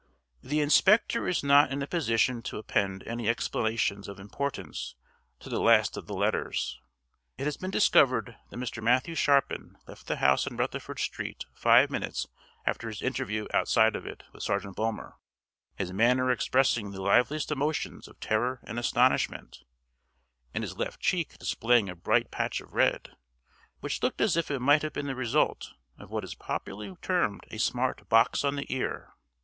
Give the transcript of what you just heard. The inspector is not in a position to append any explanations of importance to the last of the letters. It has been discovered that Mr. Matthew Sharpin left the house in Rutherford Street five minutes after his interview outside of it with Sergeant Bulmer, his manner expressing the liveliest emotions of terror and astonishment, and his left cheek displaying a bright patch of red, which looked as if it might have been the result of what is popularly termed a smart box on the ear.